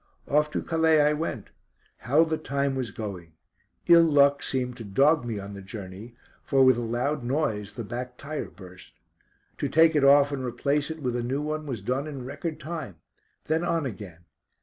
Off to Calais I went. How the time was going. Ill luck seemed to dog me on the journey, for with a loud noise the back tyre burst. To take it off and replace it with a new one was done in record time. Then on again.